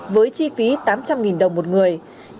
với chi phí tám trăm linh đồng một người